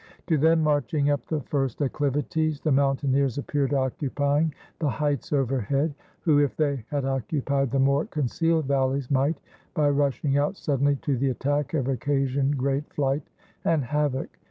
To them, marching up the first acclivities, the mountaineers appeared occupying the heights overhead; who, if they had occupied the more concealed valleys, might, by rushing out suddenly to the attack, have occasioned great flight and havoc.